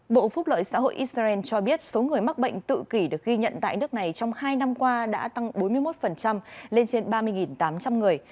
bộ phúc lợi xã hội israel cho biết số người mắc bệnh tự kỷ được ghi nhận tại nước này trong hai năm qua đã tăng bốn mươi một lên trên ba mươi tám trăm linh người